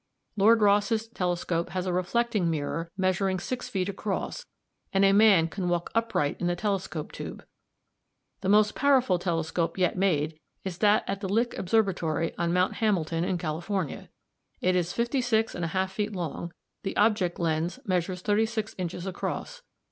Lord Rosse's telescope has a reflecting mirror measuring six feet across, and a man can walk upright in the telescope tube. The most powerful telescope yet made is that at the Lick Observatory, on Mount Hamilton, in California. It is fifty six and a half feet long, the object lens measures thirty six inches across.